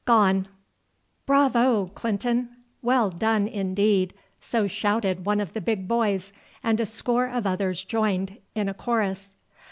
GONE. "Bravo, Clinton! Well done, indeed!" so shouted one of the big boys, and a score of others joined in in chorus.